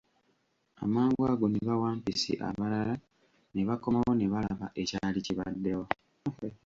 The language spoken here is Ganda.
Amangu ago ne bawampisi abalala ne bakomawo ne balaba ekyali kibaddewo.